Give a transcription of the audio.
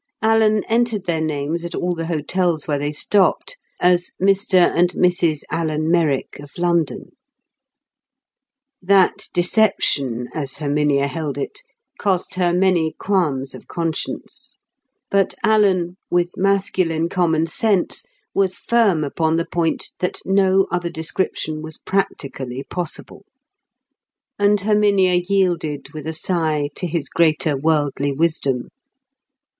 Alan entered their names at all the hotels where they stopped as "Mr and Mrs Alan Merrick of London." That deception, as Herminia held it, cost her many qualms of conscience; but Alan, with masculine common sense, was firm upon the point that no other description was practically possible; and Herminia yielded with a sign to his greater worldly wisdom.